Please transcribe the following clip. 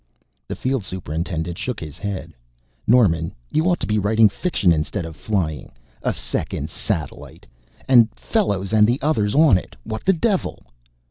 The field superintendent shook his head. "Norman, you ought to be writing fiction instead of flying. A second satellite and Fellows and the others on it what the devil!"